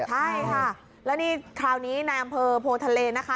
ใช่ค่ะแล้วนี่คราวนี้ในอำเภอโพทะเลนะคะ